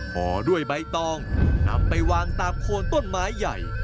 ห่อด้วยใบตองนำไปวางตามโคนต้นไม้ใหญ่